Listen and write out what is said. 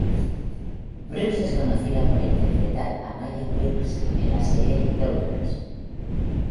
Brooks es conocida por interpretar a Maya Wilkes en la serie "Girlfriends".